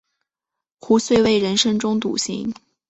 壶遂为人深中笃行。